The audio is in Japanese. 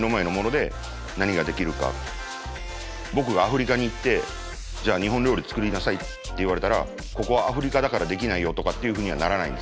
僕がアフリカに行ってじゃあ日本料理作りなさいって言われたらここはアフリカだからできないよとかっていうふうにはならないんです